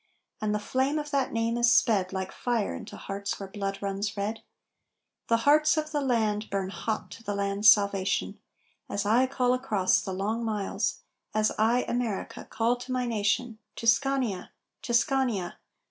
And the flame of that name is sped Like fire into hearts where blood runs red The hearts of the land burn hot to the land's salvation As I call across the long miles, as I, America, call to my nation _Tuscania! Tuscania!